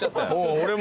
俺も。